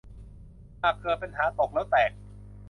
หากเกิดปัญหาตกแล้วแตก